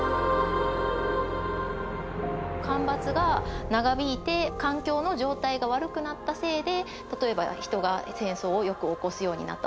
干ばつが長引いて環境の状態が悪くなったせいで例えば人が戦争をよく起こすようになったのか。